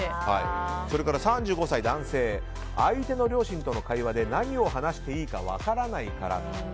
それから３５歳の男性相手の両親との会話で何を話していいか分からないから。